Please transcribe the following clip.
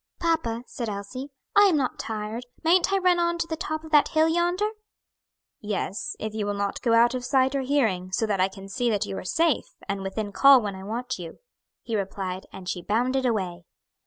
"Papa," said Elsie, "I am not tired, mayn't I run on to the top of that hill yonder?" "Yes, if you will not go out of sight or hearing, so that I can see that you are safe, and within call when I want you," he replied, and she bounded away.